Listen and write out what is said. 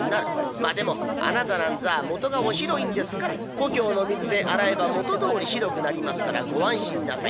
まあでも『あなたなんざ元がお白いんですから故郷の水で洗えば元どおり白くなりますからご安心なさい。